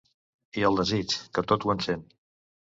I el desig, que tot ho encén.